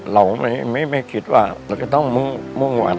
เราไม่คิดว่ามันจะต้องมุ่งหวัง